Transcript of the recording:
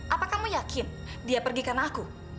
apa kamu yakin dia pergi karena aku